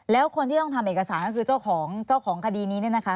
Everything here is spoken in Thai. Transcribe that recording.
แล้วคนที่ต้องทำเอกสารก็คือเจ้าของเจ้าของคดีนี้เนี่ยนะคะ